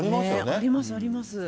あります、あります。